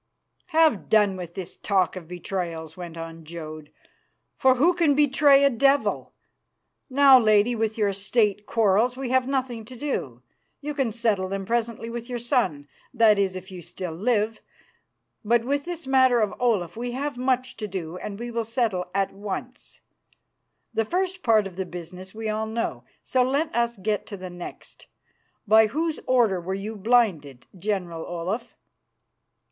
"Have done with this talk of betrayals," went on Jodd, "for who can betray a devil? Now, Lady, with your State quarrels we have nothing to do. You can settle them presently with your son, that is, if you still live. But with this matter of Olaf we have much to do, and we will settle that at once. The first part of the business we all know, so let us get to the next. By whose order were you blinded, General Olaf?"